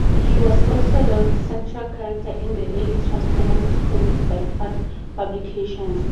He was also the central character in the early Transformers comics by Fun Publications.